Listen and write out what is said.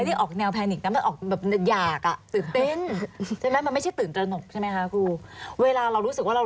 ตอนนี้ยามนะคะ